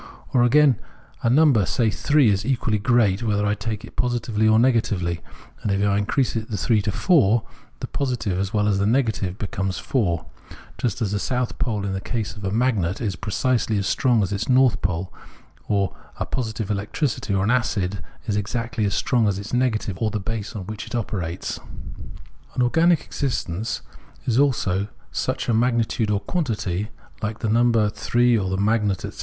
Or, again, a number, say three, is equally great, whether I take it positively or negatively ; and if I increase the three to four, the positive as well as the negative becomes four : just as the south pole in the case of a magnet is precisely as strong as its north pole, or a positive electricity or an acid, is exactly as strong as its negative, or the base on which it operates. An organic existence is also such a magnitude or quantity, like the number three or a magnet, etc.